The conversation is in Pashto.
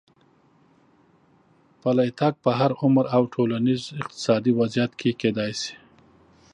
پلی تګ په هر عمر او ټولنیز اقتصادي وضعیت کې کېدای شي.